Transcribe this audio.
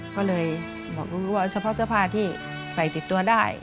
ก็เลยบอกรู้ว่าเฉพาะเสื้อผ้าที่ใส่ติดตัวได้